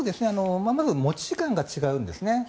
まず持ち時間が違うんですね。